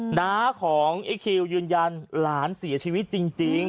หน้าของไอ้คิวยืนยันหลานเสียชีวิตจริง